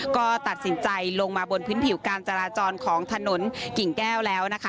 ก็ตัดสินใจลงมาบนพื้นผิวการจราจรของถนนกิ่งแก้วแล้วนะคะ